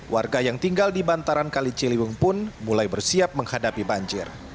warga yang tinggal di bantaran kali ciliwung pun mulai bersiap menghadapi banjir